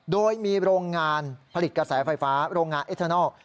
โดยมีโรงงานผลิตกระแสไฟฟ้าโรงงานเอทานอล